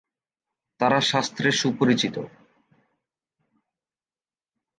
তারা শাস্ত্রে সুপরিচিত।